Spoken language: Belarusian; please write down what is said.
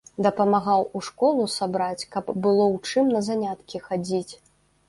Дапамагаў у школу сабраць, каб было ў чым на заняткі хадзіць.